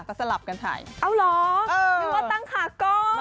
ก็สลับกันถ่ายเอาเหรอนึกว่าตั้งขาก่อน